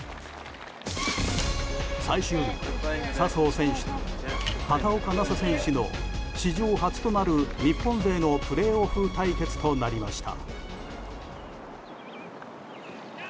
最終日は笹生選手と畑岡奈紗選手の史上初となる日本勢のプレーオフ対決となりました。